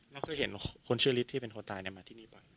แล้วเคยเห็นคนชื่อฤทธิ์ที่เป็นคนตายเนี่ยมาที่นี่ป่ะ